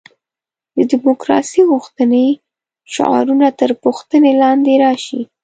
د دیموکراسي غوښتنې شعارونه تر پوښتنې لاندې راشي.